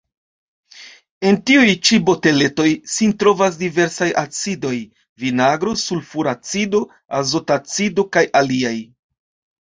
En tiuj ĉi boteletoj sin trovas diversaj acidoj: vinagro, sulfuracido, azotacido kaj aliaj.